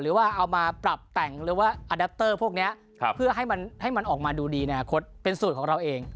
หรือว่าเอามาปรับแต่งหรือว่าอดัตเตอร์พวกนี้เพื่อให้มันออกมาดูดีในอนาคตเป็นสูตรของเราเอง